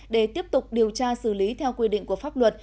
để tiếp tục điều tra xử lý theo quy định của pháp luật